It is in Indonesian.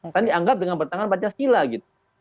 kan dianggap dengan bertangan pancasila gitu